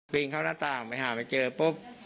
พริกเข้าระต่างไปหาไปเจอปุ๊บ